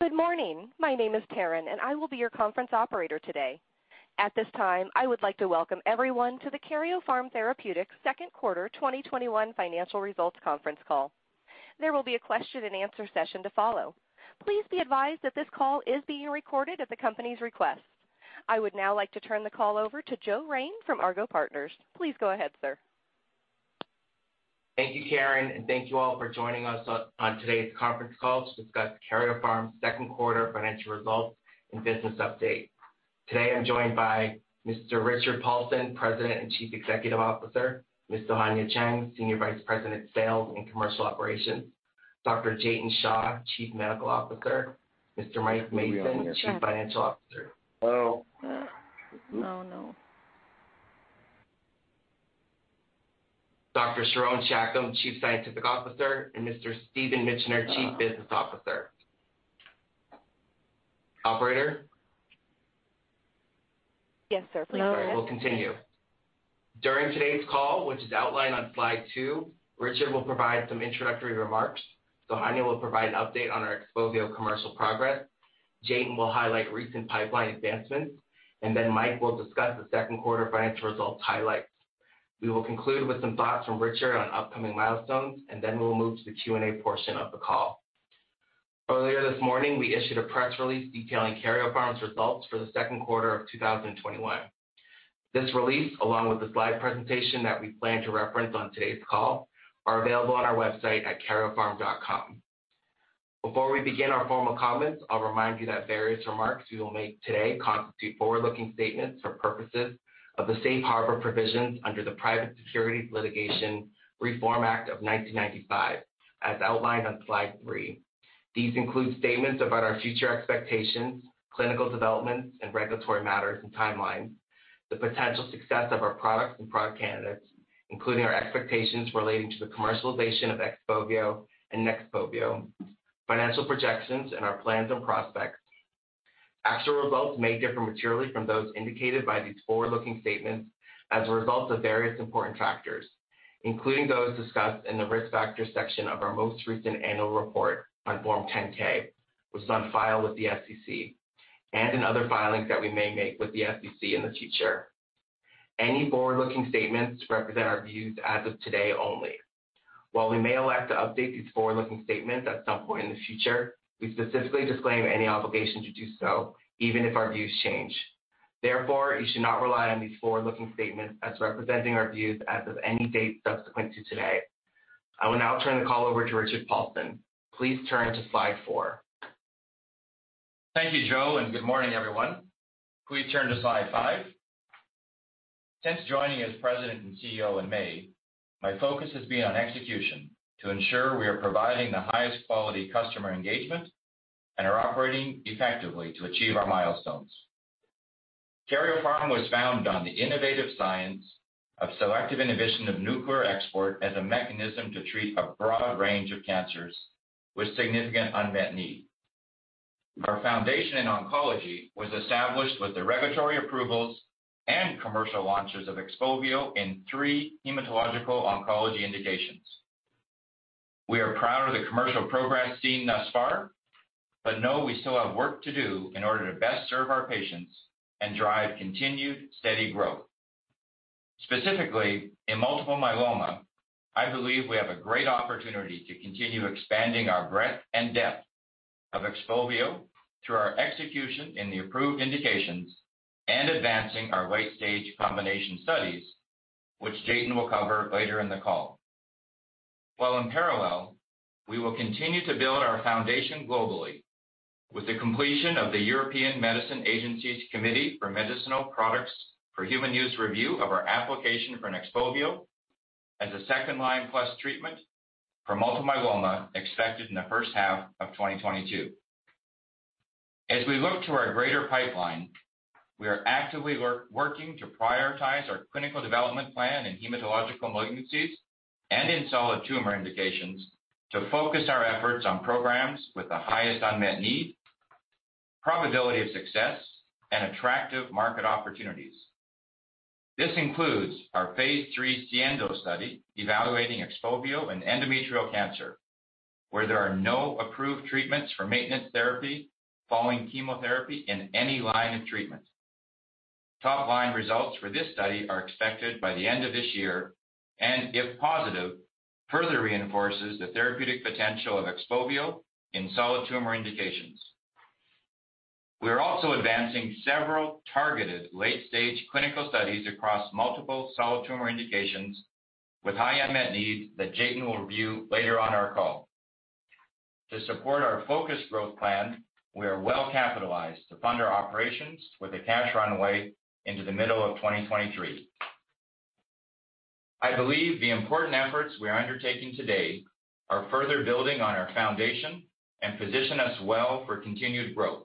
Good morning. My name is Taryn, and I will be your conference operator today. At this time, I would like to welcome everyone to the Karyopharm Therapeutics second quarter 2021 financial results conference call. There will be a question and answer session to follow. Please be advised that this call is being recorded at the company's request. I would now like to turn the call over to Joe Rayne from Argot Partners. Please go ahead, sir. Thank you, Taryn, and thank you all for joining us on today's conference call to discuss Karyopharm's second quarter financial results and business update. Today, I'm joined by Mr. Richard Paulson, President and Chief Executive Officer, Ms. Sohanya Cheng, Senior Vice President of Sales and Commercial Operations, Dr. Jatin Shah, Chief Medical Officer, Mr. Mike Mason, Chief Financial Officer. Oh. No. Dr. Sharon Shacham, Chief Scientific Officer, and Mr. Stephen Mitchener, Chief Business Officer. Operator? Yes, sir. Please go ahead. Sorry. We'll continue. During today's call, which is outlined on slide two, Richard will provide some introductory remarks. Sohanya will provide an update on our XPOVIO commercial progress. Jatin will highlight recent pipeline advancements, and then Mike will discuss the second quarter financial results highlights. We will conclude with some thoughts from Richard on upcoming milestones, and then we will move to the Q&A portion of the call. Earlier this morning, we issued a press release detailing Karyopharm's results for the second quarter of 2021. This release, along with the slide presentation that we plan to reference on today's call, are available on our website at karyopharm.com. Before we begin our formal comments, I'll remind you that various remarks we will make today constitute forward-looking statements for purposes of the safe harbor provisions under the Private Securities Litigation Reform Act of 1995, as outlined on slide three. These include statements about our future expectations, clinical developments, and regulatory matters and timelines, the potential success of our products and product candidates, including our expectations relating to the commercialization of XPOVIO and NEXPOVIO, financial projections, and our plans and prospects. Actual results may differ materially from those indicated by these forward-looking statements as a result of various important factors, including those discussed in the Risk Factors section of our most recent annual report on Form 10-K, which is on file with the SEC, and in other filings that we may make with the SEC in the future. Any forward-looking statements represent our views as of today only. While we may elect to update these forward-looking statements at some point in the future, we specifically disclaim any obligation to do so, even if our views change. Therefore, you should not rely on these forward-looking statements as representing our views as of any date subsequent to today. I will now turn the call over to Richard Paulson. Please turn to slide four. Thank you, Joe. Good morning, everyone. Please turn to slide five. Since joining as President and Chief Executive Officer in May, my focus has been on execution to ensure we are providing the highest quality customer engagement and are operating effectively to achieve our milestones. Karyopharm was founded on the innovative science of selective inhibition of nuclear export as a mechanism to treat a broad range of cancers with significant unmet need. Our foundation in oncology was established with the regulatory approvals and commercial launches of XPOVIO in three hematological oncology indications. We are proud of the commercial progress seen thus far, but know we still have work to do in order to best serve our patients and drive continued steady growth. Specifically, in multiple myeloma, I believe we have a great opportunity to continue expanding our breadth and depth of XPOVIO through our execution in the approved indications and advancing our late-stage combination studies, which Jatin will cover later in the call. While in parallel, we will continue to build our foundation globally with the completion of the European Medicines Agency's Committee for Medicinal Products for Human Use review of our application for NEXPOVIO as a second-line plus treatment for multiple myeloma expected in the first half of 2022. As we look to our greater pipeline, we are actively working to prioritize our clinical development plan in hematological malignancies and in solid tumor indications to focus our efforts on programs with the highest unmet need, probability of success, and attractive market opportunities. This includes our phase III SIENDO study evaluating XPOVIO in endometrial cancer, where there are no approved treatments for maintenance therapy following chemotherapy in any line of treatment. Top-line results for this study are expected by the end of this year, and if positive, further reinforces the therapeutic potential of XPOVIO in solid tumor indications. We are also advancing several targeted late-stage clinical studies across multiple solid tumor indications with high unmet need that Jatin will review later on our call. To support our focused growth plan, we are well-capitalized to fund our operations with a cash runway into the middle of 2023. I believe the important efforts we are undertaking today are further building on our foundation and position us well for continued growth.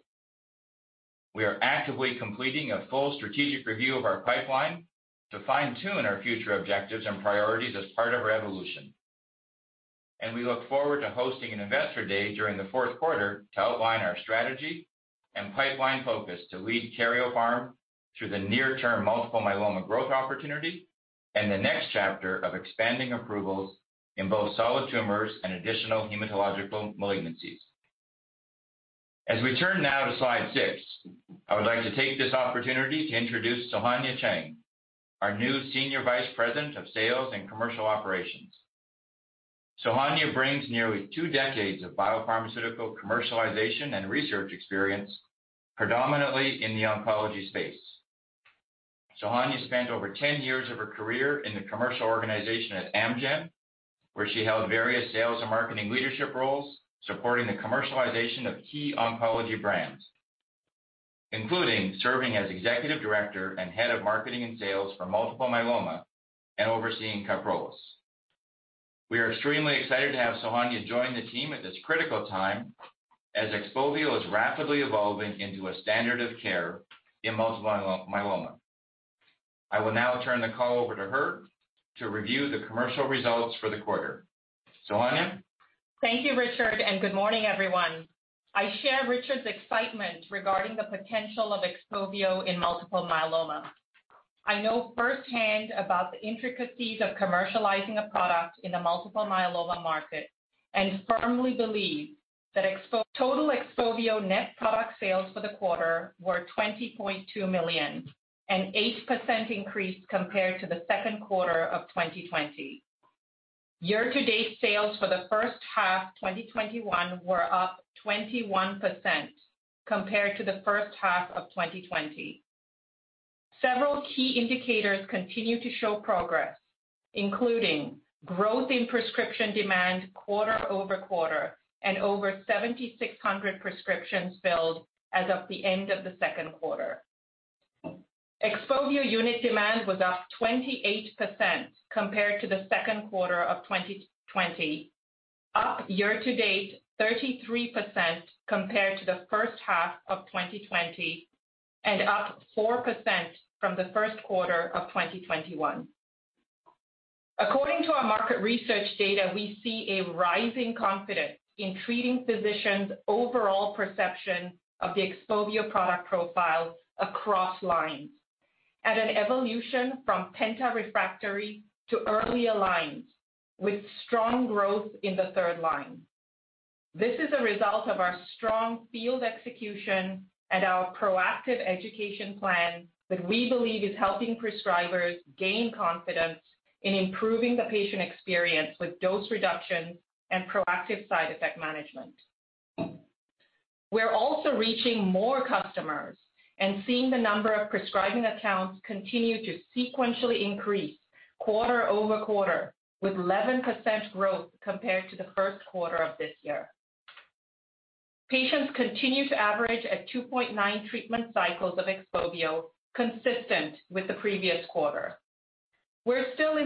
We are actively completing a full strategic review of our pipeline to fine-tune our future objectives and priorities as part of our evolution. We look forward to hosting an Investor Day during the fourth quarter to outline our strategy and pipeline focus to lead Karyopharm through the near-term multiple myeloma growth opportunity, and the next chapter of expanding approvals in both solid tumors and additional hematological malignancies. As we turn now to slide six, I would like to take this opportunity to introduce Sohanya Cheng, our new Senior Vice President of Sales and Commercial Operations. Sohanya brings nearly two decades of biopharmaceutical commercialization and research experience, predominantly in the oncology space. Sohanya spent over 10 years of her career in the commercial organization at Amgen, where she held various sales and marketing leadership roles supporting the commercialization of key oncology brands, including serving as Executive Director and Head of Marketing and Sales for multiple myeloma and overseeing KYPROLIS. We are extremely excited to have Sohanya join the team at this critical time as XPOVIO is rapidly evolving into a standard of care in multiple myeloma. I will now turn the call over to her to review the commercial results for the quarter. Sohanya? Thank you, Richard, and good morning, everyone. I share Richard's excitement regarding the potential of XPOVIO in multiple myeloma. I know firsthand about the intricacies of commercializing a product in the multiple myeloma market and firmly believe that total XPOVIO net product sales for the quarter were $20.2 million, an 8% increase compared to the second quarter of 2020. Year-to-date sales for the first half 2021 were up 21% compared to the first half of 2020. Several key indicators continue to show progress, including growth in prescription demand quarter-over-quarter and over 7,600 prescriptions filled as of the end of the second quarter. XPOVIO unit demand was up 28% compared to the second quarter of 2020, up year-to-date 33% compared to the first half of 2020, and up 4% from the first quarter of 2021. According to our market research data, we see a rising confidence in treating physicians' overall perception of the XPOVIO product profile across lines at an evolution from penta-refractory to earlier lines, with strong growth in the third line. This is a result of our strong field execution and our proactive education plan that we believe is helping prescribers gain confidence in improving the patient experience with dose reduction and proactive side effect management. We're also reaching more customers and seeing the number of prescribing accounts continue to sequentially increase quarter-over-quarter with 11% growth compared to the first quarter of this year. Patients continue to average at 2.9 treatment cycles of XPOVIO, consistent with the previous quarter. We're still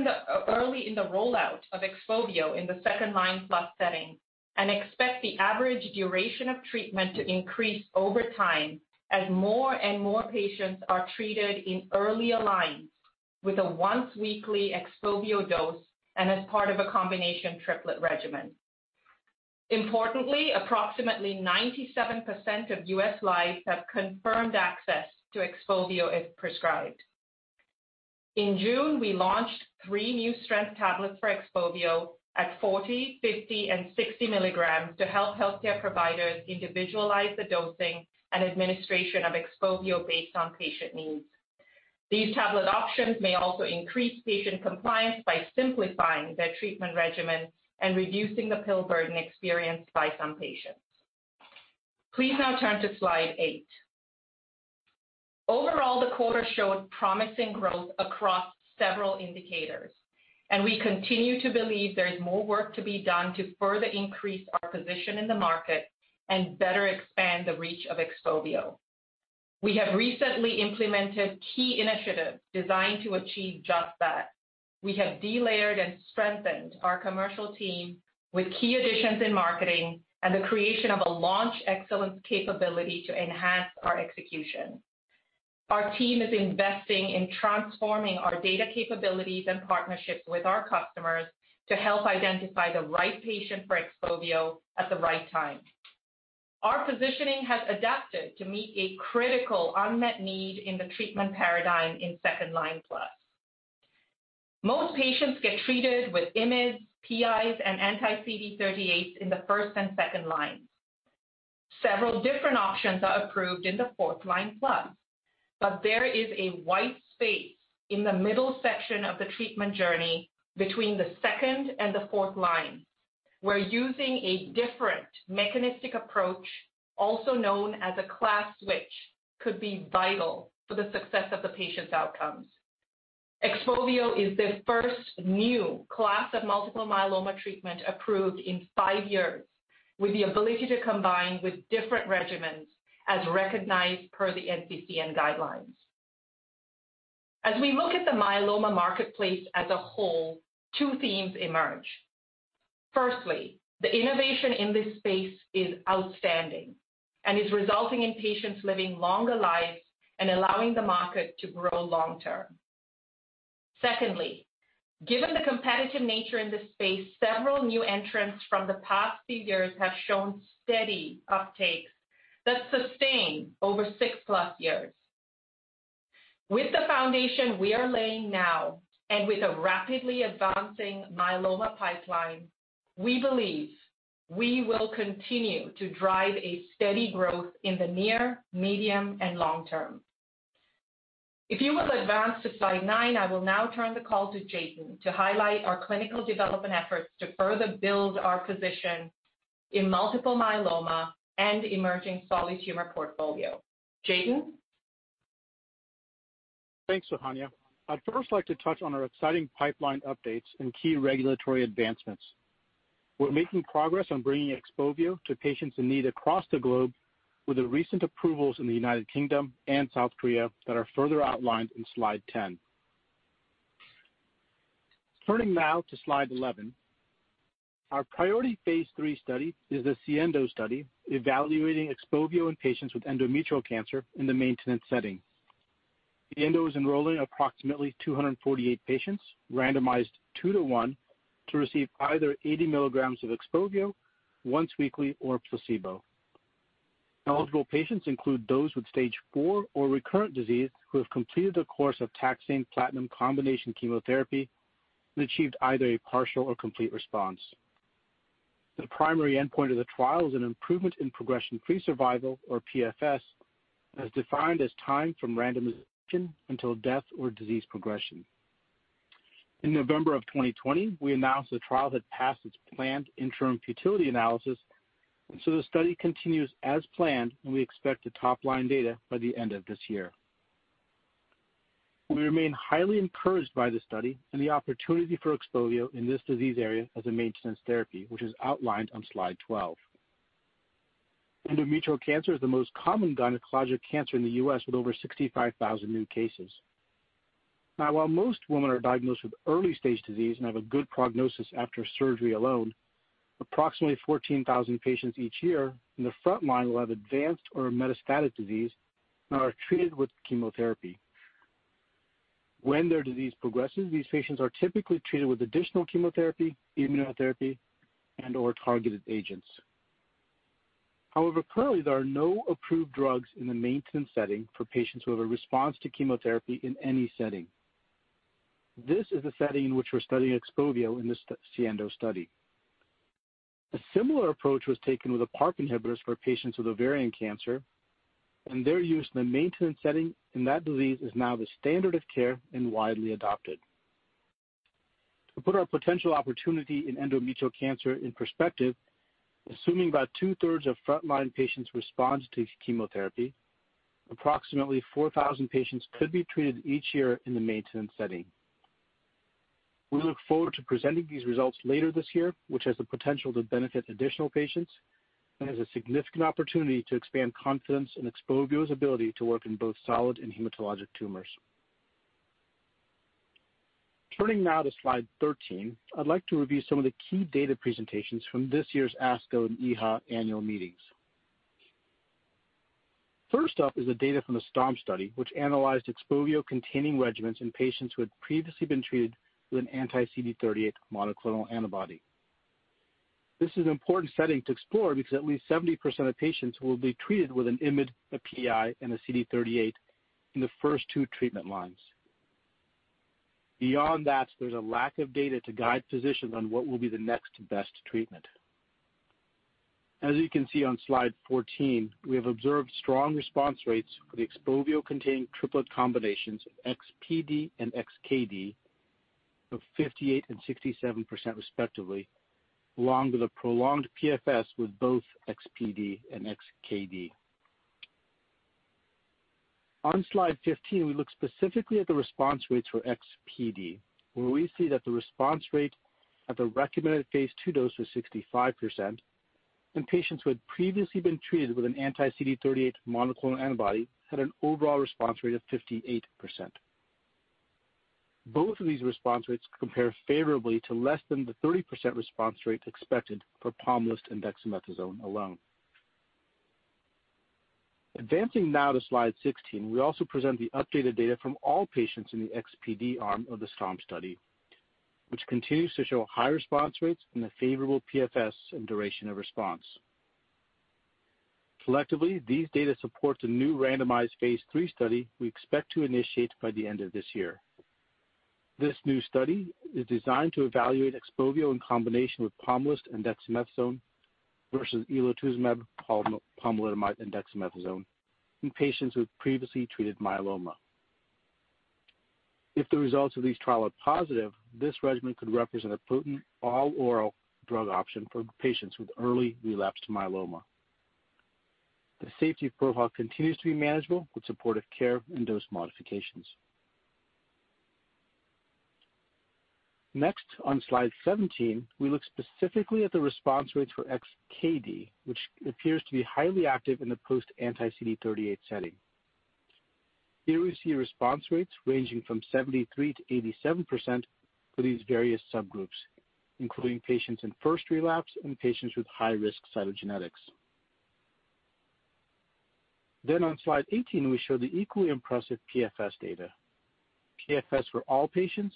early in the rollout of XPOVIO in the second-line-plus setting and expect the average duration of treatment to increase over time as more and more patients are treated in earlier lines with a once-weekly XPOVIO dose and as part of a combination triplet regimen. Importantly, approximately 97% of U.S. lives have confirmed access to XPOVIO if prescribed. In June, we launched three new strength tablets for XPOVIO at 40 mg, 50 mg, and 60 mg to help healthcare providers individualize the dosing and administration of XPOVIO based on patient needs. These tablet options may also increase patient compliance by simplifying their treatment regimen and reducing the pill burden experienced by some patients. Please now turn to slide eight. Overall, the quarter showed promising growth across several indicators, and we continue to believe there is more work to be done to further increase our position in the market and better expand the reach of XPOVIO. We have recently implemented key initiatives designed to achieve just that. We have delayered and strengthened our commercial team with key additions in marketing and the creation of a launch excellence capability to enhance our execution. Our team is investing in transforming our data capabilities and partnerships with our customers to help identify the right patient for XPOVIO at the right time. Our positioning has adapted to meet a critical unmet need in the treatment paradigm in second-line plus. Most patients get treated with IMiDs, PIs, and anti-CD38s in the first and second lines. Several different options are approved in the fourth-line plus. There is a wide space in the middle section of the treatment journey between the second and the fourth lines, where using a different mechanistic approach, also known as a class switch, could be vital for the success of the patient's outcomes. XPOVIO is the first new class of multiple myeloma treatment approved in five years, with the ability to combine with different regimens as recognized per the NCCN guidelines. As we look at the myeloma marketplace as a whole, two themes emerge. Firstly, the innovation in this space is outstanding and is resulting in patients living longer lives and allowing the market to grow long-term. Secondly, given the competitive nature in this space, several new entrants from the past few years have shown steady uptakes that sustain over six+ years. With the foundation we are laying now, and with a rapidly advancing myeloma pipeline, we believe we will continue to drive a steady growth in the near, medium, and long term. If you will advance to slide nine, I will now turn the call to Jatin to highlight our clinical development efforts to further build our position in multiple myeloma and emerging solid tumor portfolio. Jatin? Thanks, Sohanya. I'd first like to touch on our exciting pipeline updates and key regulatory advancements. We're making progress on bringing XPOVIO to patients in need across the globe with the recent approvals in the United Kingdom and South Korea that are further outlined in slide 10. Turning now to slide 11, our priority phase III study is the SIENDO study evaluating XPOVIO in patients with endometrial cancer in the maintenance setting. SIENDO is enrolling approximately 248 patients, randomized 2:1 to receive either 80 mg of XPOVIO once weekly or a placebo. Eligible patients include those with Stage IV or recurrent disease who have completed a course of taxane platinum combination chemotherapy and achieved either a partial or complete response. The primary endpoint of the trial is an improvement in progression-free survival, or PFS, as defined as time from randomization until death or disease progression. In November of 2020, we announced the trial had passed its planned interim futility analysis. The study continues as planned, and we expect the top-line data by the end of this year. We remain highly encouraged by the study and the opportunity for XPOVIO in this disease area as a maintenance therapy, which is outlined on slide 12. Endometrial cancer is the most common gynecologic cancer in the U.S., with over 65,000 new cases. Now, while most women are diagnosed with early-stage disease and have a good prognosis after surgery alone, approximately 14,000 patients each year in the frontline will have advanced or metastatic disease and are treated with chemotherapy. When their disease progresses, these patients are typically treated with additional chemotherapy, immunotherapy, and/or targeted agents. However, currently, there are no approved drugs in the maintenance setting for patients who have a response to chemotherapy in any setting. This is the setting in which we're studying XPOVIO in the SIENDO study. A similar approach was taken with the PARP inhibitors for patients with ovarian cancer, and their use in the maintenance setting in that disease is now the standard of care and widely adopted. To put our potential opportunity in endometrial cancer in perspective, assuming about two-thirds of frontline patients respond to chemotherapy, approximately 4,000 patients could be treated each year in the maintenance setting. We look forward to presenting these results later this year, which has the potential to benefit additional patients and has a significant opportunity to expand confidence in XPOVIO's ability to work in both solid and hematologic tumors. Turning now to slide 13, I'd like to review some of the key data presentations from this year's ASCO and EHA annual meetings. First up is the data from the STORM study, which analyzed XPOVIO-containing regimens in patients who had previously been treated with an anti-CD38 monoclonal antibody. This is an important setting to explore because at least 70% of patients will be treated with an IMiDs, a PIs, and a CD38 in the first two treatment lines. Beyond that, there's a lack of data to guide physicians on what will be the next best treatment. As you can see on slide 14, we have observed strong response rates for the XPOVIO-containing triplet combinations XPd and XKd of 58% and 67%, respectively, along with a prolonged PFS with both XPd and XKd. On slide 15, we look specifically at the response rates for XPd, where we see that the response rate at the recommended phase II dose was 65%, and patients who had previously been treated with an anti-CD38 monoclonal antibody had an overall response rate of 58%. Both of these response rates compare favorably to less than the 30% response rate expected for Pomalyst and dexamethasone alone. Advancing now to slide 16, we also present the updated data from all patients in the XPd arm of the STORM study, which continues to show high response rates and a favorable PFS and duration of response. Collectively, these data support the new randomized phase III study we expect to initiate by the end of this year. This new study is designed to evaluate XPOVIO in combination with Pomalyst and dexamethasone versus elotuzumab, pomalidomide, and dexamethasone in patients with previously treated myeloma. If the results of this trial are positive, this regimen could represent a potent all-oral drug option for patients with early relapsed myeloma. The safety profile continues to be manageable with supportive care and dose modifications. On slide 17, we look specifically at the response rates for XKd, which appears to be highly active in the post anti-CD38 setting. Here we see response rates ranging from 73% to 87% for these various subgroups, including patients in first relapse and patients with high-risk cytogenetics. On slide 18, we show the equally impressive PFS data. PFS for all patients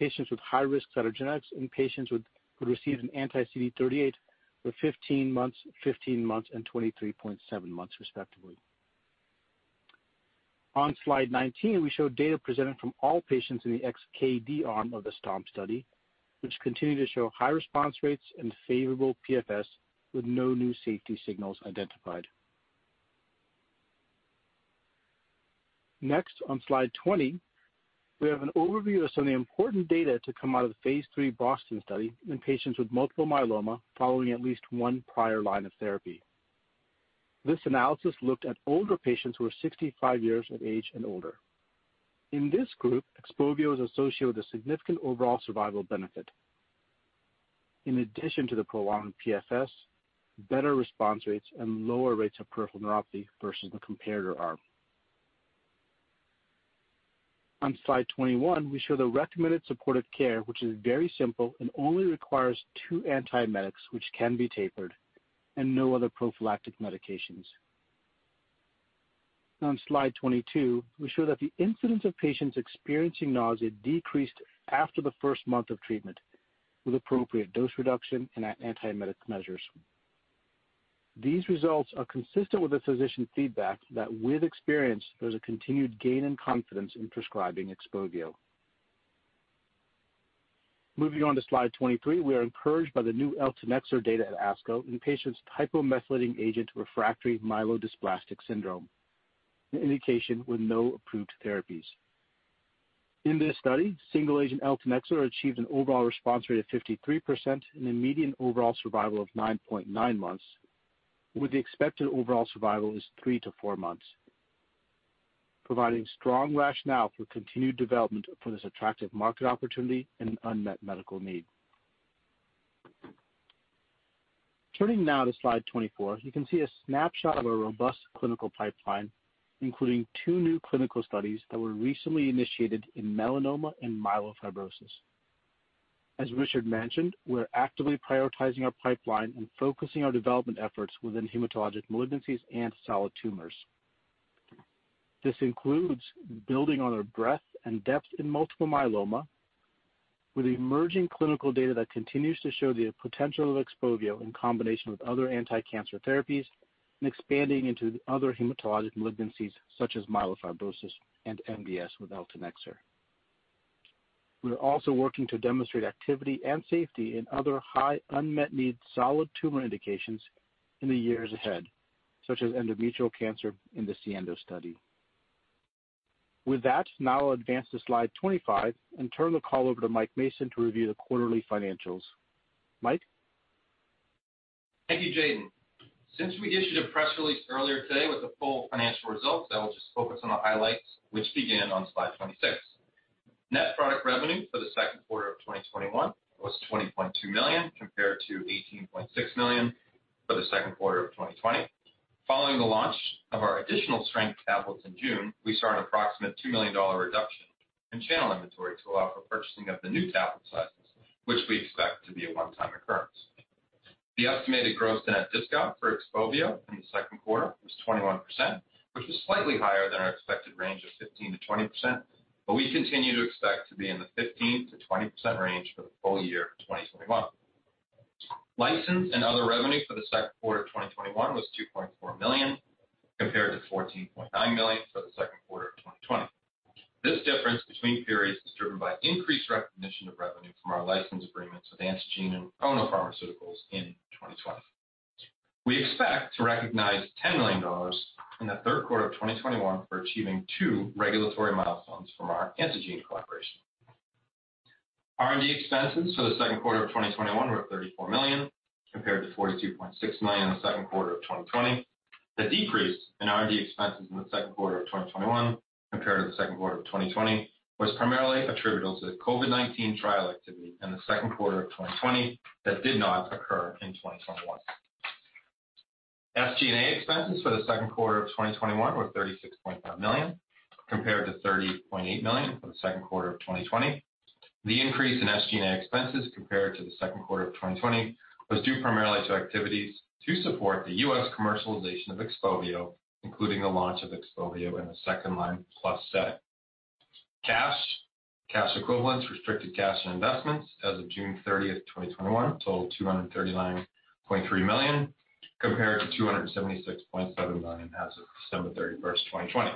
with high-risk cytogenetics, and patients who received an anti-CD38 for 15 months, 15 months, and 23.7 months respectively. On slide 19, we show data presented from all patients in the XKd arm of the STORM study, which continue to show high response rates and favorable PFS with no new safety signals identified. On slide 20, we have an overview of some of the important data to come out of the phase III BOSTON study in patients with multiple myeloma following at least one prior line of therapy. This analysis looked at older patients who are 65 years of age and older. In this group, XPOVIO is associated with a significant overall survival benefit. In addition to the prolonged PFS, better response rates, and lower rates of peripheral neuropathy versus the comparator arm. On slide 21, we show the recommended supportive care, which is very simple and only requires two antiemetics which can be tapered and no other prophylactic medications. On slide 22, we show that the incidence of patients experiencing nausea decreased after the one month of treatment with appropriate dose reduction and antiemetic measures. These results are consistent with the physician feedback that with experience, there's a continued gain in confidence in prescribing XPOVIO. Moving on to slide 23, we are encouraged by the new eltanexor data at ASCO in patients hypomethylating agent refractory myelodysplastic syndrome, an indication with no approved therapies. In this study, single-agent eltanexor achieved an overall response rate of 53% and a median overall survival of 9.9 months, with the expected overall survival is three to four months, providing strong rationale for continued development for this attractive market opportunity and unmet medical need. Turning now to slide 24, you can see a snapshot of our robust clinical pipeline, including two new clinical studies that were recently initiated in melanoma and myelofibrosis. As Richard mentioned, we're actively prioritizing our pipeline and focusing our development efforts within hematologic malignancies and solid tumors. This includes building on our breadth and depth in multiple myeloma with emerging clinical data that continues to show the potential of XPOVIO in combination with other anticancer therapies and expanding into other hematologic malignancies such as myelofibrosis and MDS with eltanexor. We are also working to demonstrate activity and safety in other high unmet need solid tumor indications in the years ahead, such as endometrial cancer in the SIENDO study. With that, now I'll advance to slide 25 and turn the call over to Mike Mason to review the quarterly financials. Mike? Thank you, Jatin. Since we issued a press release earlier today with the full financial results, I will just focus on the highlights which begin on slide 26. Net product revenue for the second quarter of 2021 was $20.2 million compared to $18.6 million for the second quarter of 2020. Following the launch of our additional strength tablets in June, we saw an approximate $2 million reduction in channel inventory to allow for purchasing of the new tablet sizes, which we expect to be a one-time occurrence. The estimated gross net discount for XPOVIO in the second quarter was 21%, which was slightly higher than our expected range of 15%-20%. We continue to expect to be in the 15%-20% range for the full year of 2021. License and other revenue for the second quarter of 2021 was $2.4 million compared to $14.9 million for the second quarter of 2020. This difference between periods is driven by increased recognition of revenue from our license agreements with Antengene and Ono Pharmaceuticals in 2020. We expect to recognize $10 million in the third quarter of 2021 for achieving two regulatory milestones from our Amgen collaboration. R&D expenses for the second quarter of 2021 were at $34 million, compared to $42.6 million in the second quarter of 2020. The decrease in R&D expenses in the second quarter of 2021 compared to the second quarter of 2020 was primarily attributable to the COVID-19 trial activity in the second quarter of 2020 that did not occur in 2021. SG&A expenses for the second quarter of 2021 were $36.5 million, compared to $30.8 million for the second quarter of 2020. The increase in SG&A expenses compared to the second quarter of 2020 was due primarily to activities to support the U.S. commercialization of XPOVIO, including the launch of XPOVIO in a second-line plus setting. Cash, cash equivalents, restricted cash, and investments as of June 30th, 2021, totaled $239.3 million, compared to $276.7 million as of December 31st, 2020.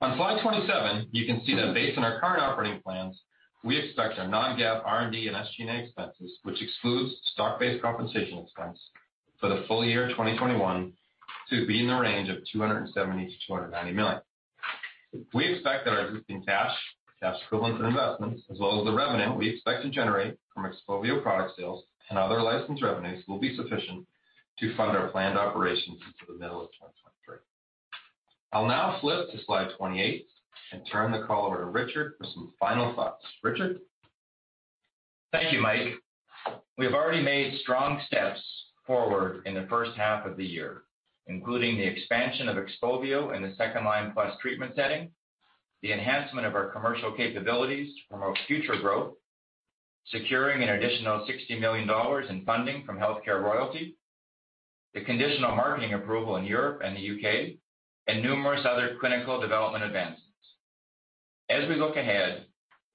On slide 27, you can see that based on our current operating plans, we expect our non-GAAP R&D and SG&A expenses, which excludes stock-based compensation expense for the full year 2021, to be in the range of $270 million-$290 million. We expect that our existing cash equivalents, and investments, as well as the revenue we expect to generate from XPOVIO product sales and other licensed revenues, will be sufficient to fund our planned operations into the middle of 2023. I'll now flip to slide 28 and turn the call over to Richard for some final thoughts. Richard? Thank you, Mike. We have already made strong steps forward in the first half of the year, including the expansion of XPOVIO in the second-line plus treatment setting, the enhancement of our commercial capabilities to promote future growth Securing an additional $60 million in funding from HealthCare royalty, the conditional marketing approval in Europe and the U.K., and numerous other clinical development advancements. As we look ahead,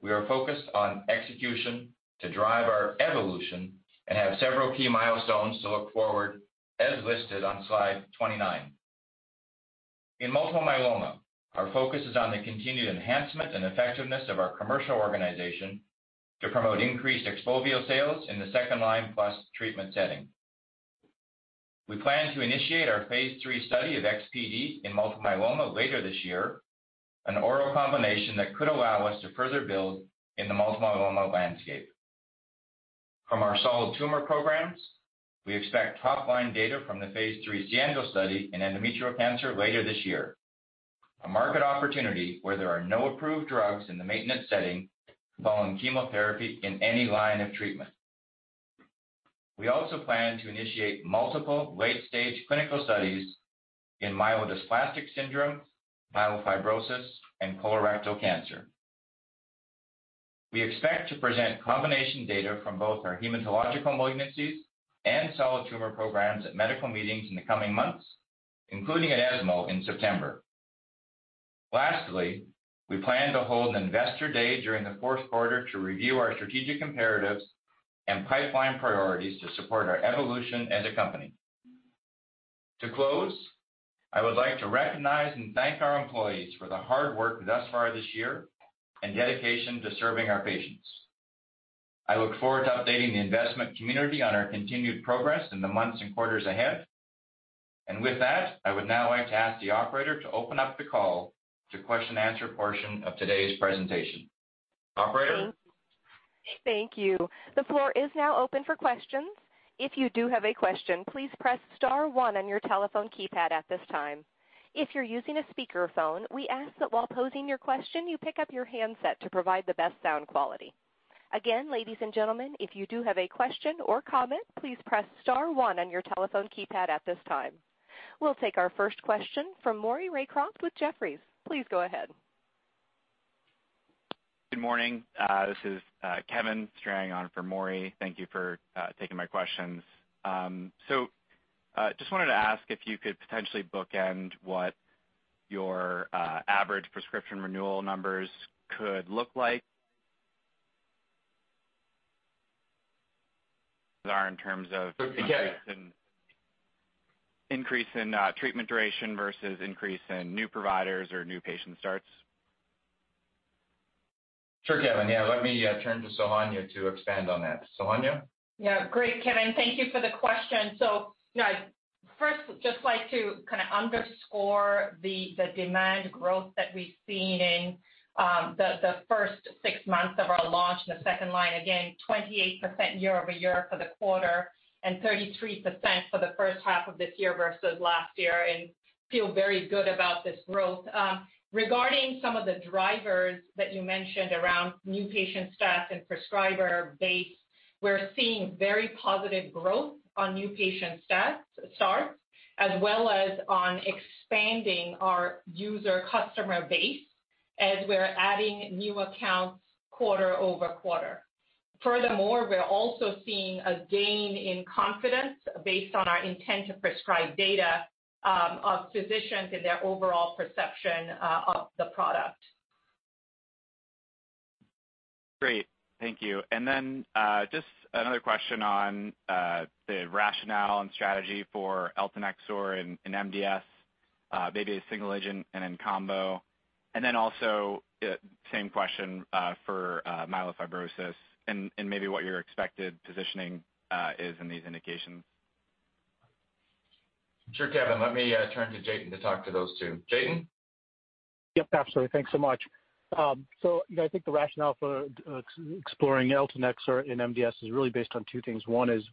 we are focused on execution to drive our evolution and have several key milestones to look forward, as listed on slide 29. In multiple myeloma, our focus is on the continued enhancement and effectiveness of our commercial organization to promote increased XPOVIO sales in the second-line plus treatment setting. We plan to initiate our phase III study of XPd in multiple myeloma later this year, an oral combination that could allow us to further build in the multiple myeloma landscape. From our solid tumor programs, we expect top-line data from the phase III SIENDO study in endometrial cancer later this year, a market opportunity where there are no approved drugs in the maintenance setting following chemotherapy in any line of treatment. We also plan to initiate multiple late-stage clinical studies in myelodysplastic syndrome, myelofibrosis, and colorectal cancer. We expect to present combination data from both our hematological malignancies and solid tumor programs at medical meetings in the coming months, including at ESMO in September. Lastly, we plan to hold an Investor Day during the fourth quarter to review our strategic imperatives and pipeline priorities to support our evolution as a company. To close, I would like to recognize and thank our employees for the hard work thus far this year and dedication to serving our patients. I look forward to updating the investment community on our continued progress in the months and quarters ahead. With that, I would now like to ask the operator to open up the call to question and answer portion of today's presentation. Operator? Thank you. The floor is now open for questions. If you do have a question, please press star one on your telephone keypad at this time. If you're using a speakerphone, we ask that while posing your question, you pick up your handset to provide the best sound quality. Again, ladies and gentlemen, if you do have a question or comment, please press star one on your telephone keypad at this time. We'll take our first question from Maury Raycroft with Jefferies. Please go ahead. Good morning. This is Kevin stepping in for Maury. Thank you for taking my questions. Just wanted to ask if you could potentially bookend what your average prescription renewal numbers could look like. Yeah. Increase in treatment duration versus increase in new providers or new patient starts. Sure, Kevin. Yeah, let me turn to Sohanya to expand on that. Sohanya? Yeah. Great, Kevin. Thank you for the question. First, just like to kind of underscore the demand growth that we've seen in the first six months of our launch in the second-line. Again, 28% year-over-year for the quarter and 33% for the first half of this year versus last year, and feel very good about this growth. Regarding some of the drivers that you mentioned around new patient starts and prescriber base, we're seeing very positive growth on new patient starts, as well as on expanding our user customer base as we're adding new accounts quarter-over-quarter. Furthermore, we're also seeing a gain in confidence based on our intent to prescribe data of physicians in their overall perception of the product. Great. Thank you. Just another question on the rationale and strategy for eltanexor in MDS, maybe a single agent and in combo. Also same question for myelofibrosis and maybe what your expected positioning is in these indications? Sure, Kevin. Let me turn to Jatin to talk to those two. Jatin? Yep, absolutely. Thanks so much. I think the rationale for exploring eltanexor in MDS is really based on two things. One is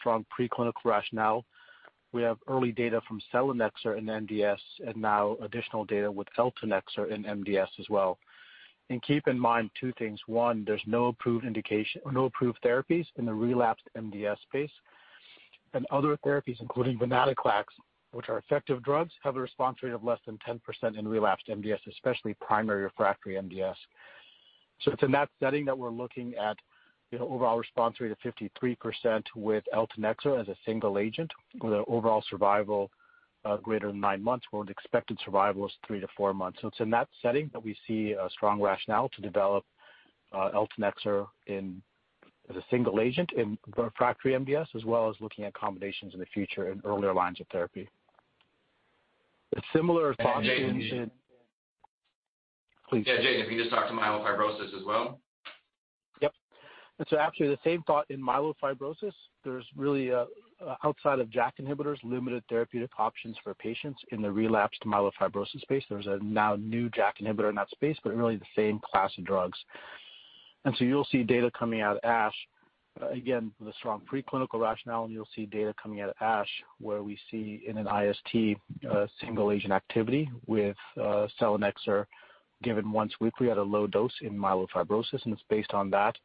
strong preclinical rationale. We have early data from selinexor in MDS and now additional data with eltanexor in MDS as well. Keep in mind two things. One, there's no approved therapies in the relapsed MDS space. Other therapies, including venetoclax, which are effective drugs, have a response rate of less than 10% in relapsed MDS, especially primary refractory MDS. It's in that setting that we're looking at overall response rate of 53% with eltanexor as a single agent with an overall survival greater than nine months, where an expected survival is three to four months. It's in that setting that we see a strong rationale to develop eltanexor as a single agent in refractory MDS, as well as looking at combinations in the future in earlier lines of therapy. It's similar response. Yeah, Jatin. Please. Yeah, Jatin, can you just talk to myelofibrosis as well? Yep. Actually the same thought in myelofibrosis. There's really, outside of JAK inhibitors, limited therapeutic options for patients in the relapsed myelofibrosis space. There's a now new JAK inhibitor in that space, but really the same class of drugs. You'll see data coming out of ASH, again, the strong preclinical rationale, and you'll see data coming out of ASH where we see in an IST single-agent activity with selinexor given once weekly at a low dose in myelofibrosis, and it's based on that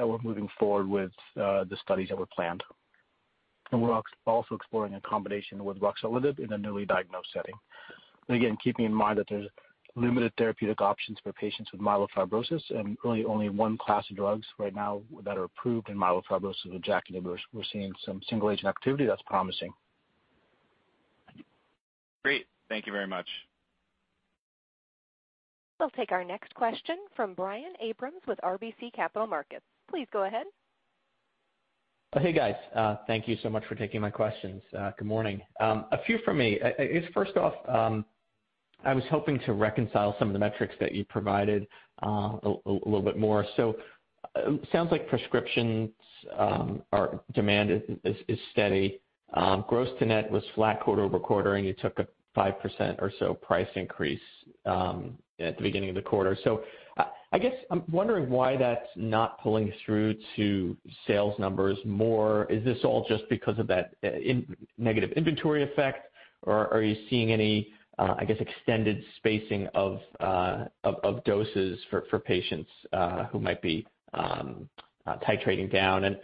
we're moving forward with the studies that were planned. We're also exploring a combination with ruxolitinib in a newly diagnosed setting. Again, keeping in mind that there's limited therapeutic options for patients with myelofibrosis and really only one class of drugs right now that are approved in myelofibrosis with JAK inhibitors. We're seeing some single agent activity that's promising. Great. Thank you very much. We'll take our next question from Brian Abrahams with RBC Capital Markets. Please go ahead. Hey, guys. Thank you so much for taking my questions. Good morning. A few from me. First off, I was hoping to reconcile some of the metrics that you provided a little bit more. Sounds like prescriptions or demand is steady. Gross to net was flat quarter-over-quarter, and you took a 5% or so price increase at the beginning of the quarter. I'm wondering why that's not pulling through to sales numbers more. Is this all just because of that negative inventory effect? Are you seeing any, I guess, extended spacing of doses for patients who might be titrating down? To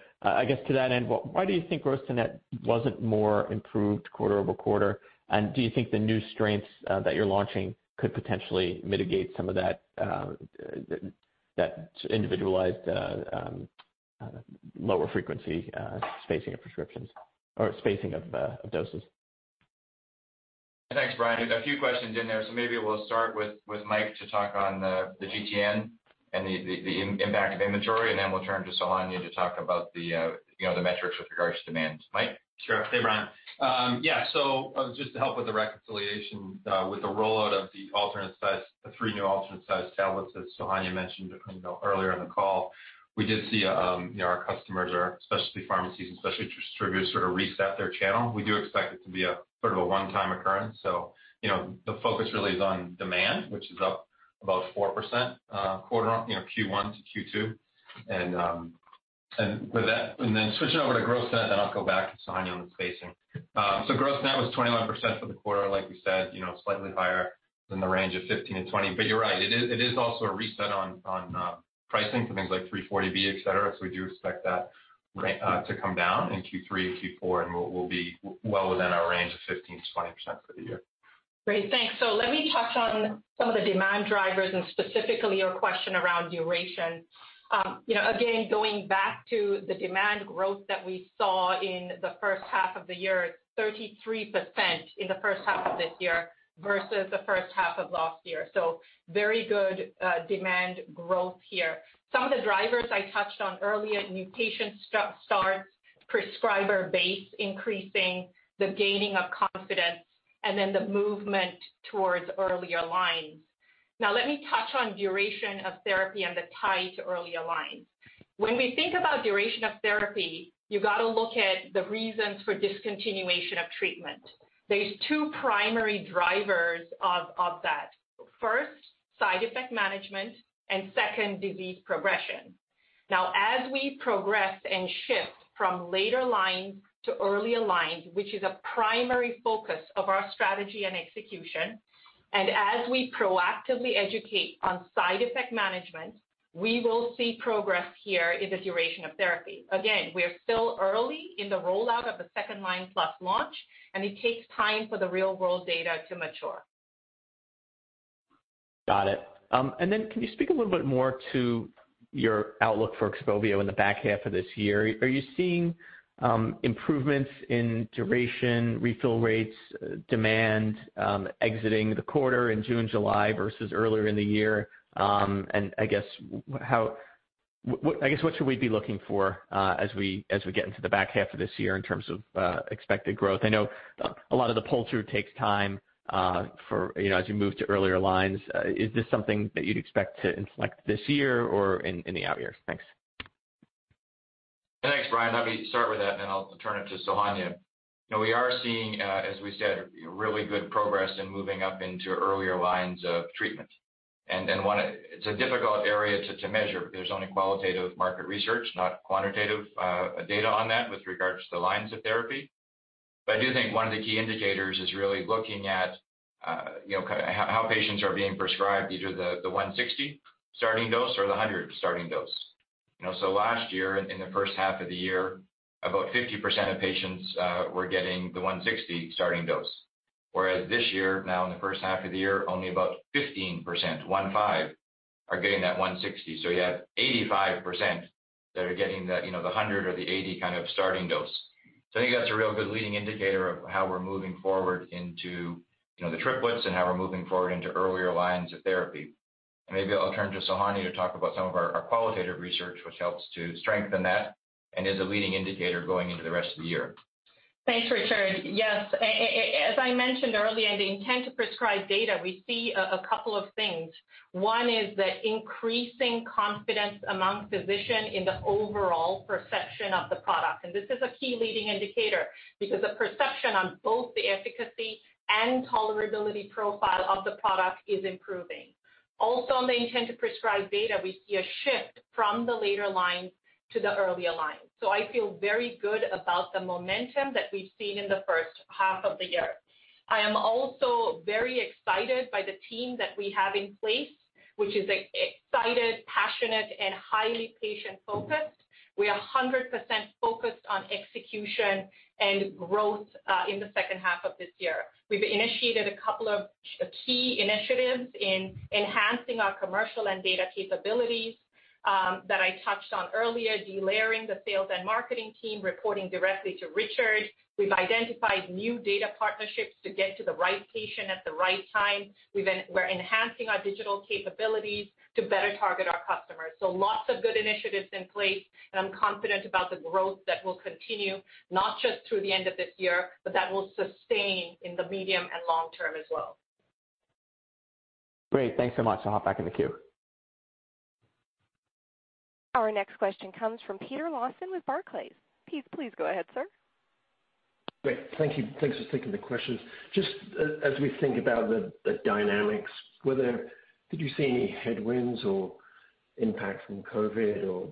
that end, why do you think gross to net wasn't more improved quarter-over-quarter? Do you think the new strengths that you're launching could potentially mitigate some of that individualized lower frequency spacing of prescriptions or spacing of doses? Thanks, Brian. There's a few questions in there. Maybe we'll start with Mike to talk on the GTN and the impact of inventory, and then we'll turn to Sohanya to talk about the metrics with regards to demand. Mike? Sure. Hey, Brian. Yeah. Just to help with the reconciliation with the rollout of the three new alternate sized tablets that Sohanya mentioned earlier in the call, we did see our customers, our specialty pharmacies and specialty distributors sort of reset their channel. We do expect it to be a sort of a one-time occurrence. The focus really is on demand, which is up about 4% Q1 to Q2. With that, then switching over to gross net, then I'll go back to Sohanya on the spacing. Gross net was 21% for the quarter, like we said, slightly higher than the range of 15% and 20%. You're right, it is also a reset on pricing for things like 340B, et cetera. We do expect that to come down in Q3 and Q4, and we'll be well within our range of 15%-20% for the year. Great, thanks. Let me touch on some of the demand drivers and specifically your question around duration. Again, going back to the demand growth that we saw in the first half of the year, 33% in the first half of this year versus the first half of last year. Very good demand growth here. Some of the drivers I touched on earlier, new patient starts, prescriber base increasing, the gaining of confidence, and then the movement towards earlier lines. Now let me touch on duration of therapy and the tie to earlier lines. When we think about duration of therapy, you got to look at the reasons for discontinuation of treatment. There's two primary drivers of that. First, side effect management, and second, disease progression. As we progress and shift from later lines to earlier lines, which is a primary focus of our strategy and execution, and as we proactively educate on side effect management, we will see progress here in the duration of therapy. We are still early in the rollout of the second-line plus launch, and it takes time for the real world data to mature. Got it. Can you speak a little bit more to your outlook for XPOVIO in the back half of this year? Are you seeing improvements in duration, refill rates, demand exiting the quarter in June, July versus earlier in the year? I guess, what should we be looking for as we get into the back half of this year in terms of expected growth? I know a lot of the pull-through takes time as you move to earlier lines. Is this something that you'd expect to inflect this year or in the out years? Thanks. Thanks, Brian. Let me start with that, then I'll turn it to Sohanya. We are seeing, as we said, really good progress in moving up into earlier lines of treatment. One, it's a difficult area to measure. There's only qualitative market research, not quantitative data on that with regards to the lines of therapy. I do think one of the key indicators is really looking at how patients are being prescribed either the 160 mg starting dose or the 100 mg starting dose. Last year, in the first half of the year, about 50% of patients were getting the 160 mg starting dose. Whereas this year, now in the first half of the year, only about 15%, one five, are getting that 160 mg. You have 85% that are getting the 100 mg or the 80 mg kind of starting dose. I think that's a real good leading indicator of how we're moving forward into the triplets and how we're moving forward into earlier lines of therapy. Maybe I'll turn to Sohanya to talk about some of our qualitative research, which helps to strengthen that and is a leading indicator going into the rest of the year. Thanks, Richard. Yes. As I mentioned earlier, in the intent to prescribe data, we see a couple of things. One is the increasing confidence among physician in the overall perception of the product. This is a key leading indicator because the perception on both the efficacy and tolerability profile of the product is improving. On the intent to prescribe data, we see a shift from the later lines to the earlier lines. I feel very good about the momentum that we've seen in the first half of the year. I am also very excited by the team that we have in place, which is excited, passionate, and highly patient-focused. We are 100% focused on execution and growth in the second half of this year. We've initiated a couple of key initiatives in enhancing our commercial and data capabilities that I touched on earlier, delayering the sales and marketing team, reporting directly to Richard. We've identified new data partnerships to get to the right patient at the right time. We're enhancing our digital capabilities to better target our customers. Lots of good initiatives in place, and I'm confident about the growth that will continue, not just through the end of this year, but that will sustain in the medium and long term as well. Great. Thanks so much. I'll hop back in the queue. Our next question comes from Peter Lawson with Barclays. Pete, please go ahead, sir. Great. Thank you. Thanks for taking the questions. Just as we think about the dynamics, did you see any headwinds or impact from COVID, or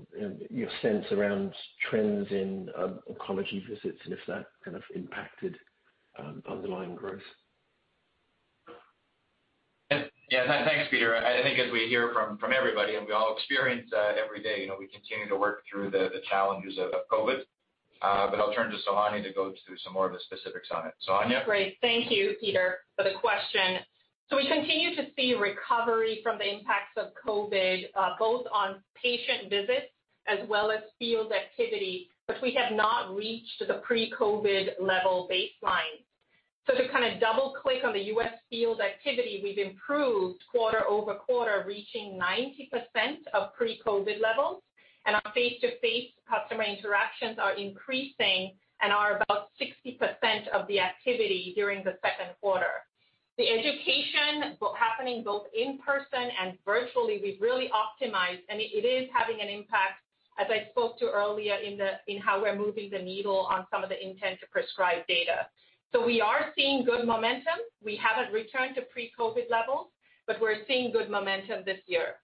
your sense around trends in oncology visits, and if that kind of impacted underlying growth? Yeah. Thanks, Peter. I think as we hear from everybody, and we all experience every day, we continue to work through the challenges of COVID-19. I'll turn to Sohanya to go through some more of the specifics on it. Sohanya? Great. Thank you, Peter, for the question. We continue to see recovery from the impacts of COVID, both on patient visits as well as field activity, but we have not reached the pre-COVID level baseline. To kind of double-click on the U.S. field activity, we've improved quarter-over-quarter, reaching 90% of pre-COVID levels, and our face-to-face customer interactions are increasing and are about 60% of the activity during the second quarter. The education happening both in person and virtually, we've really optimized, and it is having an impact, as I spoke to earlier, in how we're moving the needle on some of the intent to prescribe data. We are seeing good momentum. We haven't returned to pre-COVID levels, but we're seeing good momentum this year.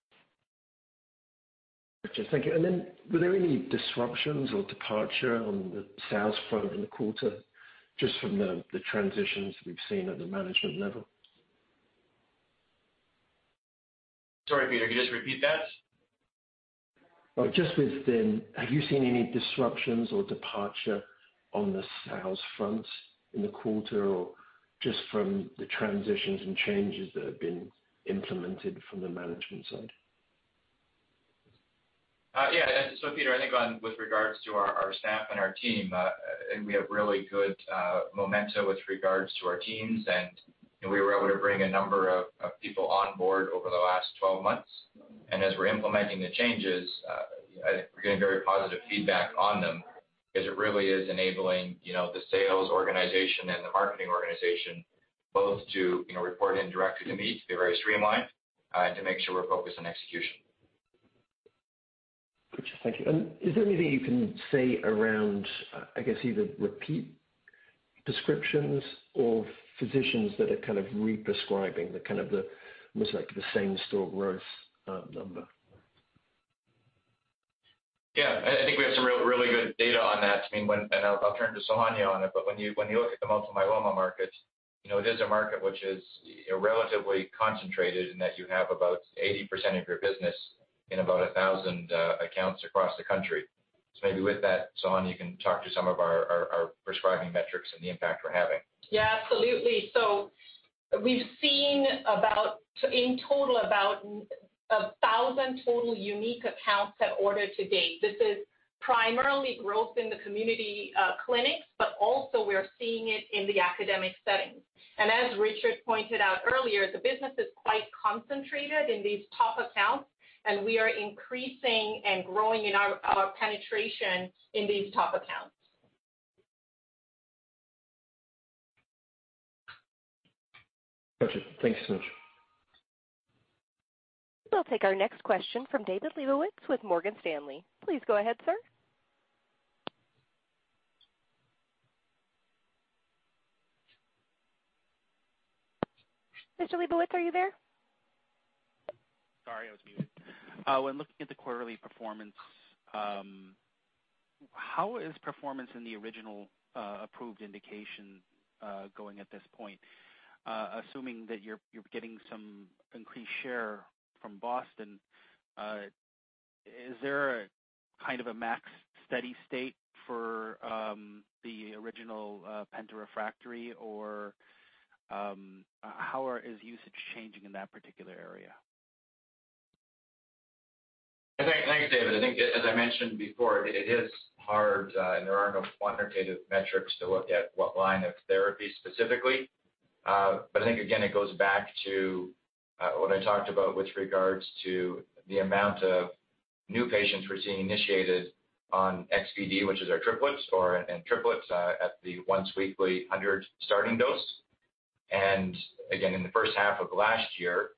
Gotcha. Thank you. Then were there any disruptions or departure on the sales front in the quarter, just from the transitions we've seen at the management level? Sorry, Peter, could you just repeat that? Have you seen any disruptions or departure on the sales front in the quarter, or just from the transitions and changes that have been implemented from the management side? Yeah. Peter, I think with regards to our staff and our team, I think we have really good momentum with regards to our teams. We were able to bring a number of people on board over the last 12 months. As we're implementing the changes, I think we're getting very positive feedback on them because it really is enabling the sales organization and the marketing organization both to report in directly to me, to be very streamlined, and to make sure we're focused on execution. Gotcha. Thank you. Is there anything you can say around, I guess, either repeat prescriptions or physicians that are kind of re-prescribing the kind of the, almost like the same-store growth number? Yeah. I think we have some really good data on that, and I'll turn to Sohanya on it. When you look at the multiple myeloma market, it is a market which is relatively concentrated in that you have about 80% of your business in about 1,000 accounts across the country. Maybe with that, Sohanya, you can talk to some of our prescribing metrics and the impact we're having. Yeah, absolutely. We've seen in total about 1,000 total unique accounts have ordered to date. This is primarily growth in the community clinics, but also we're seeing it in the academic settings. As Richard pointed out earlier, the business is quite concentrated in these top accounts, and we are increasing and growing in our penetration in these top accounts. Gotcha. Thanks so much. We'll take our next question from David Lebowitz with Morgan Stanley. Please go ahead, sir. Mr. Lebowitz, are you there? Sorry, I was muted. When looking at the quarterly performance, how is performance in the original approved indication going at this point? Assuming that you're getting some increased share from BOSTON, is there a kind of a max steady state for the original penta-refractory, or how is usage changing in that particular area? Thanks, David. I think, as I mentioned before, it is hard, and there are no quantitative metrics to look at what line of therapy specifically. I think again, it goes back to what I talked about with regards to the amount of new patients we're seeing initiated on XPd, which is our triplets or in triplets at the once-weekly 100 mg starting dose. Again, in the first half of last year,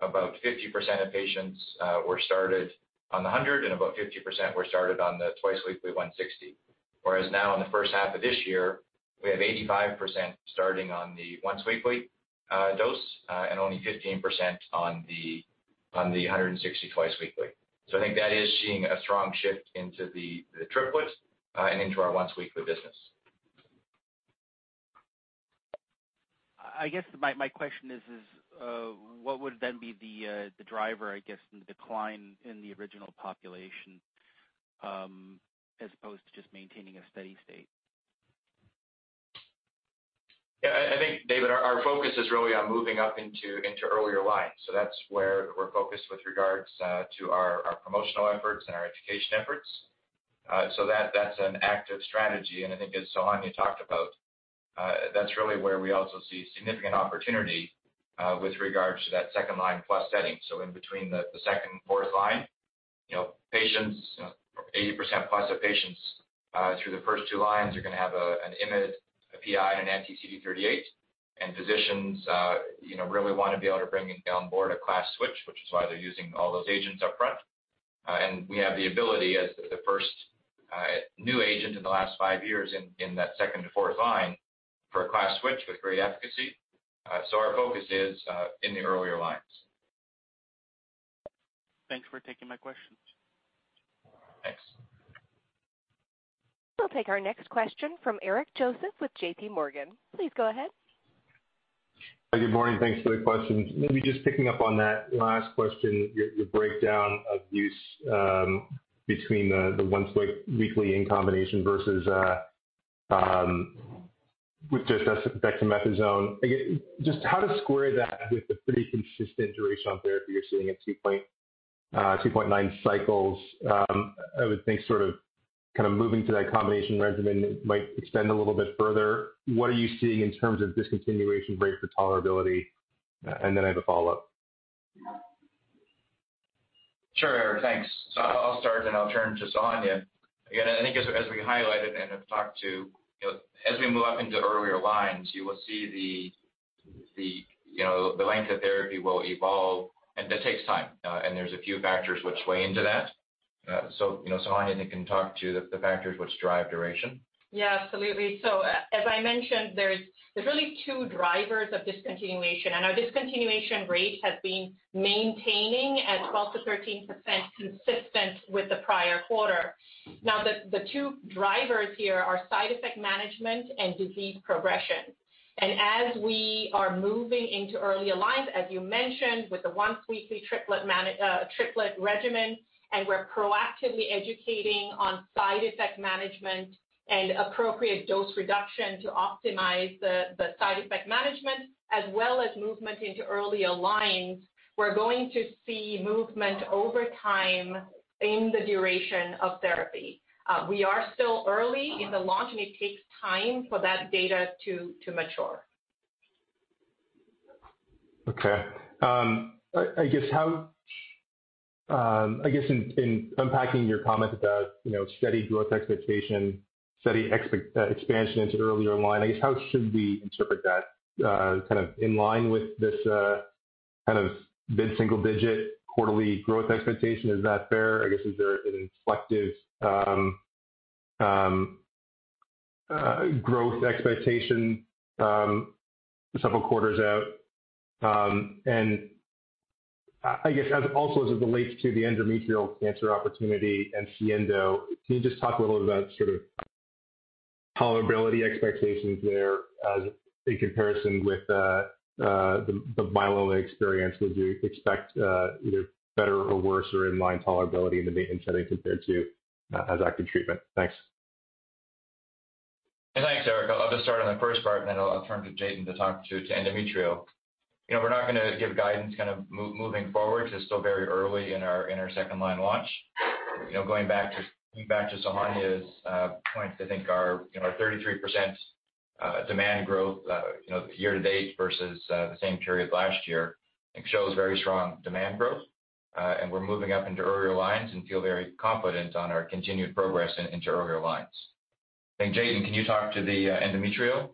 about 50% of patients were started on 100 mg, and about 50% were started on the twice-weekly 160 mg. Whereas now in the first half of this year, we have 85% starting on the once-weekly dose, and only 15% on the 160 mg twice weekly. I think that is seeing a strong shift into the triplets and into our once-weekly business. I guess my question is what would then be the driver, I guess, in the decline in the original population, as opposed to just maintaining a steady state? Yeah, I think, David, our focus is really on moving up into earlier lines. That's where we're focused with regards to our promotional efforts and our education efforts. I think as Sohanya talked about, that's really where we also see significant opportunity with regards to that second-line plus setting. In between the second and fourth line, 80%+ of patients through the first two lines are going to have an IMiD, a PI, an anti-CD38. Physicians really want to be able to bring on board a class switch, which is why they're using all those agents upfront. We have the ability as the first new agent in the last five years in that second to fourth line for a class switch with great efficacy. Our focus is in the earlier lines. Thanks for taking my questions. Thanks. We'll take our next question from Eric Joseph with JPMorgan. Please go ahead. Good morning. Thanks for the questions. Maybe just picking up on that last question, your breakdown of use between the once weekly in combination versus with just dexamethasone. Again, just how to square that with the pretty consistent duration of therapy you're seeing at 2.9 cycles. I would think sort of kind of moving to that combination regimen might extend a little bit further. What are you seeing in terms of discontinuation rate for tolerability? I have a follow-up. Sure, Eric, thanks. I'll start, and I'll turn to Sohanya. Again, I think as we highlighted and have talked to, as we move up into earlier lines, you will see the length of therapy will evolve, and that takes time. There's a few factors which play into that. Sohanya, I think can talk to the factors which drive duration. Yeah, absolutely. As I mentioned, there's really two drivers of discontinuation, and our discontinuation rate has been maintaining at 12%-13%, consistent with the prior quarter. The two drivers here are side effect management and disease progression. As we are moving into earlier lines, as you mentioned, with the once weekly triplet regimen, and we're proactively educating on side effect management and appropriate dose reduction to optimize the side effect management, as well as movement into earlier lines, we're going to see movement over time in the duration of therapy. We are still early in the launch, and it takes time for that data to mature. Okay. I guess in unpacking your comment about steady growth expectation, steady expansion into earlier line, I guess how should we interpret that kind of in line with this kind of mid-single digit quarterly growth expectation? Is that fair? I guess, is there an inflective growth expectation several quarters out? I guess also as it relates to the endometrial cancer opportunity and SIENDO, can you just talk a little about sort of tolerability expectations there as in comparison with the myeloma experience? Would you expect either better or worse or in line tolerability in the maintenance setting compared to as active treatment? Thanks. Thanks, Eric. I'll just start on the first part, and then I'll turn to Jatin to talk to endometrial. We're not going to give guidance kind of moving forward. It's still very early in our second-line launch. Going back to Sohanya's point, I think our 33% demand growth year to date versus the same period last year, I think shows very strong demand growth. We're moving up into earlier lines and feel very confident on our continued progress into earlier lines. Jatin, can you talk to the endometrial?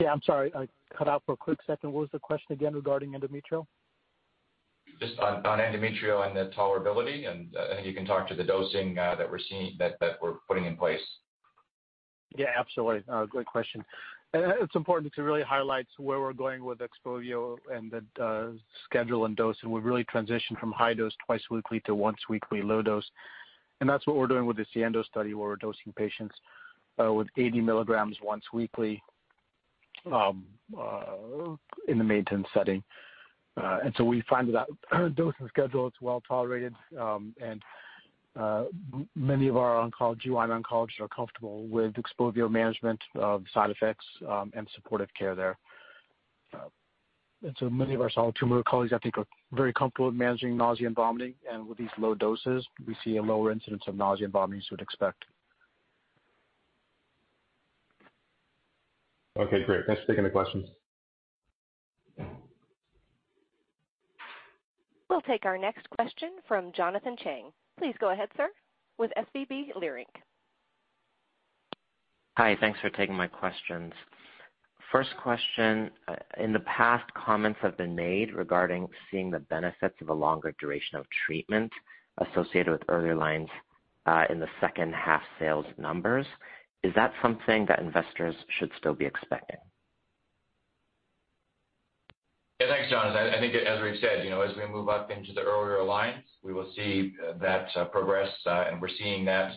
Yeah, I'm sorry. I cut out for a quick second. What was the question again regarding endometrial? Just on endometrial and the tolerability, and I think you can talk to the dosing that we're putting in place. Yeah, absolutely. Great question. It's important to really highlight where we're going with XPOVIO and the schedule and dose. We've really transitioned from high dose twice weekly to once weekly low dose. That's what we're doing with the SIENDO study, where we're dosing patients with 80 mg once weekly in the maintenance setting. We find that that dosing schedule, it's well tolerated, and many of our GI oncologists are comfortable with XPOVIO management of side effects and supportive care there. Many of our solid tumor colleagues, I think, are very comfortable with managing nausea and vomiting. With these low doses, we see a lower incidence of nausea and vomiting as you would expect. Okay, great. Thanks for taking the questions. We'll take our next question from Jonathan Chang. Please go ahead, sir. With SVB Leerink. Hi, thanks for taking my questions. First question, in the past, comments have been made regarding seeing the benefits of a longer duration of treatment associated with earlier lines. In the second half sales numbers, is that something that investors should still be expecting? Yeah, thanks, Jonathan. I think as we've said, as we move up into the earlier lines, we will see that progress, and we're seeing that.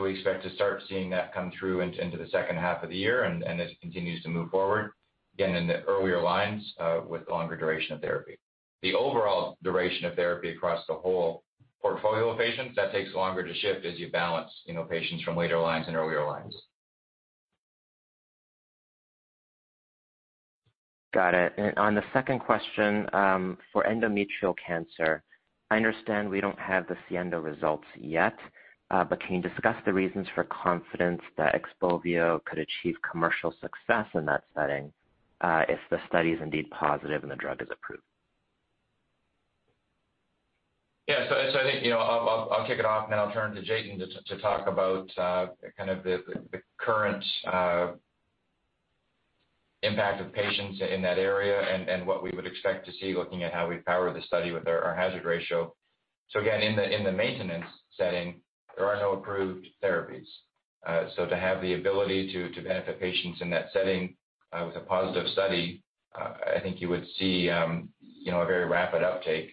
We expect to start seeing that come through into the second half of the year and as it continues to move forward, again, in the earlier lines with longer duration of therapy. The overall duration of therapy across the whole portfolio of patients, that takes longer to shift as you balance patients from later lines and earlier lines. Got it. On the second question, for endometrial cancer, I understand we don't have the SIENDO results yet, can you discuss the reasons for confidence that XPOVIO could achieve commercial success in that setting, if the study is indeed positive and the drug is approved? Yeah. I think I'll kick it off and then I'll turn to Jatin to talk about kind of the current impact of patients in that area and what we would expect to see looking at how we power the study with our hazard ratio. Again, in the maintenance setting, there are no approved therapies. To have the ability to benefit patients in that setting with a positive study, I think you would see a very rapid uptake,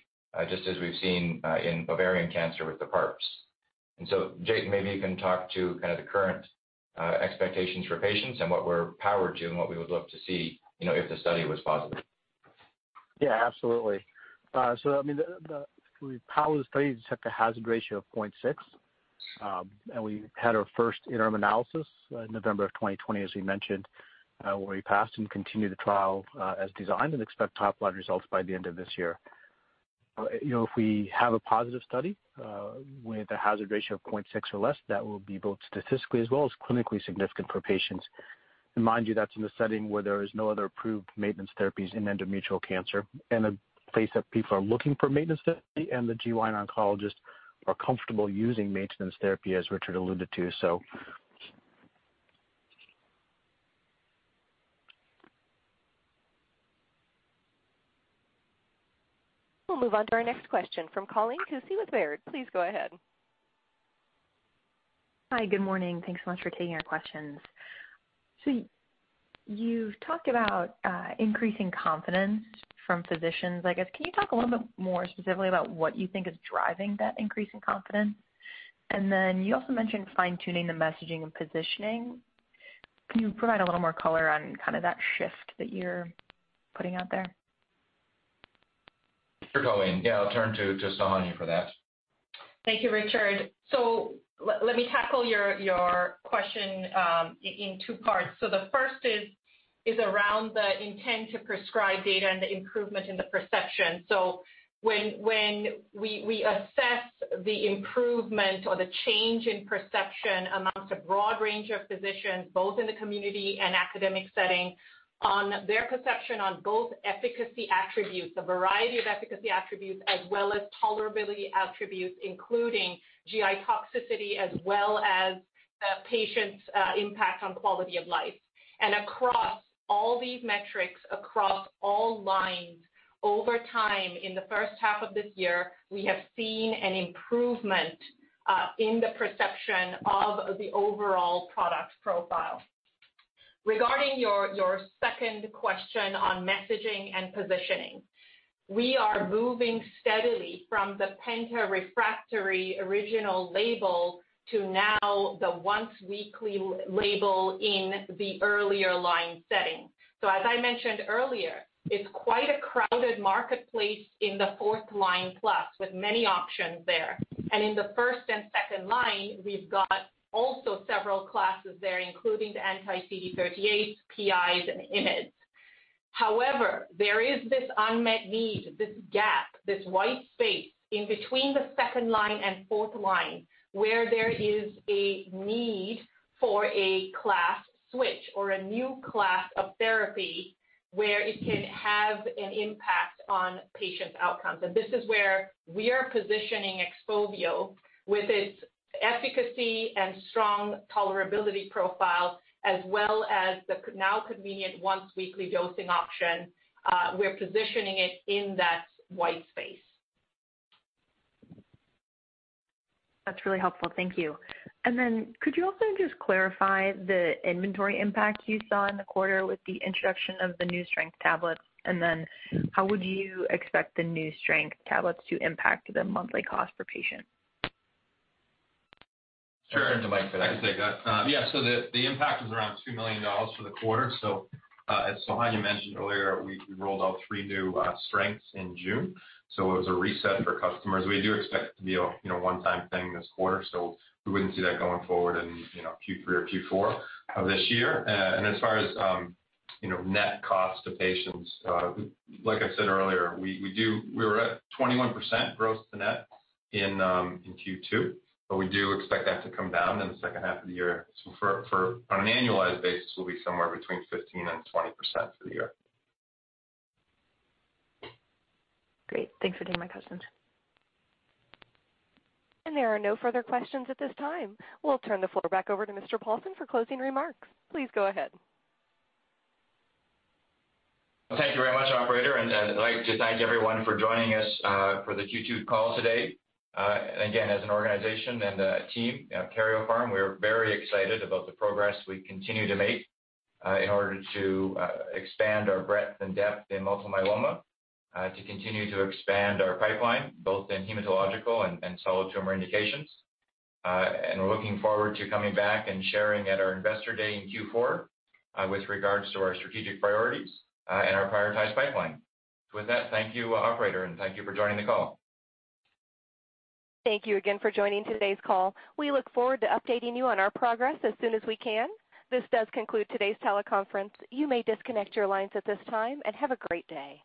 just as we've seen in ovarian cancer with the PARPs. Jatin, maybe you can talk to kind of the current expectations for patients and what we're powered to and what we would love to see if the study was positive. Yeah, absolutely. We powered the studies to hit the hazard ratio of 0.6. We had our first interim analysis in November of 2020, as we mentioned, where we passed and continued the trial as designed and expect top line results by the end of this year. If we have a positive study with a hazard ratio of 0.6 or less, that will be both statistically as well as clinically significant for patients. Mind you, that's in a setting where there is no other approved maintenance therapies in endometrial cancer, and a place that people are looking for maintenance therapy and the GYN oncologists are comfortable using maintenance therapy, as Richard alluded to. We'll move on to our next question from Colleen Kusy with Baird. Please go ahead. Hi, good morning. Thanks so much for taking our questions. You've talked about increasing confidence from physicians, I guess. Can you talk a little bit more specifically about what you think is driving that increase in confidence? Then you also mentioned fine-tuning the messaging and positioning. Can you provide a little more color on kind of that shift that you're putting out there? Sure, Colleen. I'll turn to Sohanya for that. Thank you, Richard. Let me tackle your question in two parts. The first is around the intent to prescribe data and the improvement in the perception. When we assess the improvement or the change in perception amongst a broad range of physicians, both in the community and academic setting, on their perception on both efficacy attributes, a variety of efficacy attributes, as well as tolerability attributes, including GI toxicity, as well as the patient's impact on quality of life. Across all these metrics, across all lines, over time, in the first half of this year, we have seen an improvement in the perception of the overall product profile. Regarding your second question on messaging and positioning, we are moving steadily from the penta-refractory original label to now the once weekly label in the earlier line setting. As I mentioned earlier, it's quite a crowded marketplace in the fourth line plus with many options there. In the first and second line, we've got also several classes there, including the anti-CD38, PIs, and IMiDs. However, there is this unmet need, this gap, this white space in between the second-line and fourth line, where there is a need for a class switch or a new class of therapy where it can have an impact on patients' outcomes. This is where we are positioning XPOVIO with its efficacy and strong tolerability profile, as well as the now convenient once weekly dosing option. We're positioning it in that white space. That's really helpful. Thank you. Could you also just clarify the inventory impact you saw in the quarter with the introduction of the new strength tablets? How would you expect the new strength tablets to impact the monthly cost per patient? Sure. I can take that. The impact was around $2 million for the quarter. As Sohanya mentioned earlier, we rolled out three new strengths in June, it was a reset for customers. We do expect it to be a one-time thing this quarter, we wouldn't see that going forward in Q3 or Q4 of this year. As far as net cost to patients, like I said earlier, we were at 21% gross to net in Q2, we do expect that to come down in the second half of the year. On an annualized basis, we'll be somewhere between 15%-20% for the year. Great. Thanks for doing my questions. There are no further questions at this time. We'll turn the floor back over to Mr. Paulson for closing remarks. Please go ahead. Thank you very much, operator. I'd like to thank everyone for joining us for the Q2 call today. Again, as an organization and a team at Karyopharm, we are very excited about the progress we continue to make in order to expand our breadth and depth in multiple myeloma, to continue to expand our pipeline, both in hematological and solid tumor indications. We're looking forward to coming back and sharing at our Investor Day in Q4 with regards to our strategic priorities and our prioritized pipeline. With that, thank you, operator, and thank you for joining the call. Thank you again for joining today's call. We look forward to updating you on our progress as soon as we can. This does conclude today's teleconference. You may disconnect your lines at this time, and have a great day.